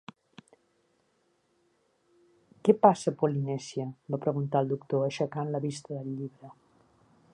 "Què passa, Polynesia?" va preguntar el doctor, aixecant la vista del llibre.